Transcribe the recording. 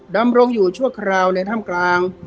ดำรงอยู่ชั่วคราวในถ้ำกลาง